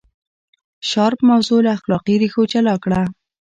شارپ موضوع له اخلاقي ریښو جلا کړه.